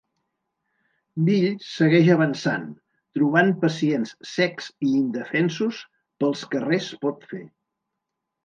Bill segueix avançant, trobant pacients cecs i indefensos, pels que res pot fer.